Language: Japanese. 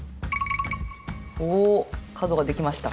おおっ角ができました。